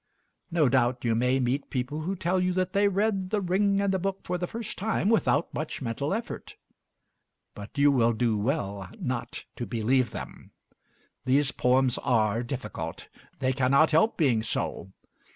No doubt you may meet people who tell you that they read 'The Ring and the Book' for the first time without much mental effort; but you will do well not to believe them. These poems are difficult they cannot help being so.